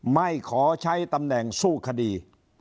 ไม่ขอใช้ตำแหน่งสู้คดี